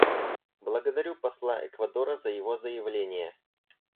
Благодарю посла Эквадора за его заявление.